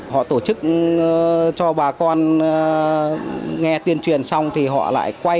họ tổ chức cho bà con nghe tuyên truyền xong thì họ lại quay